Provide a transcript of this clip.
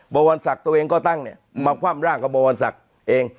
บวรศักดิ์ตัวเองก็ตั้งเนี่ยมาคว่ำร่างกับบวรศักดิ์เอง